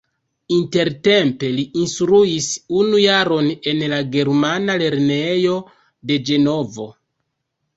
Intertempe li instruis unu jaron en la germana lernejo de Ĝenovo.